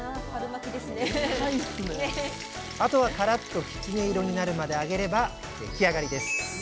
あとはカラッときつね色になるまで揚げれば出来上がりです。